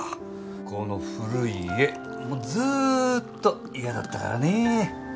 この古い家もうずっと嫌だったからね。